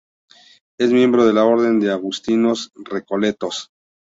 Es miembro de la Orden de Agustinos Recoletos.